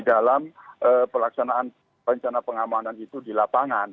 dalam pelaksanaan rencana pengamanan itu di lapangan